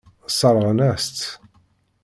Sseṛɣen-as-tt.